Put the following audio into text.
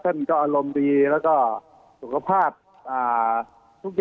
เถิดค่าอารมณ์ดีและก็สุขภาพมนุษย์